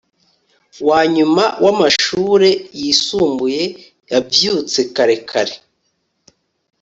wanyuma wa Mashure yisumbuye …………Yavyutse kare kare